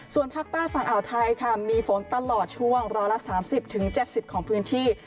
ส่วนภาคใต้ฝั่งอ่าวไทยค่ะมีฝนตลอดช่วง๑๓๐๗๐ของพื้นที่